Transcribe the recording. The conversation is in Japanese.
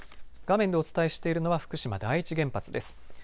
画面でお伝えしているのは福島第一原発です。